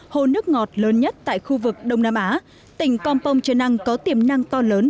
hồ nước ngọt lớn nhất tại khu vực đông nam á tỉnh kompong trần năng có tiềm năng to lớn